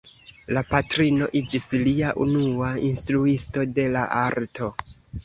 La patrino iĝis lia unua instruisto de la arto.